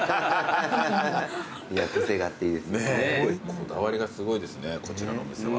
こだわりがすごいですねこちらのお店は。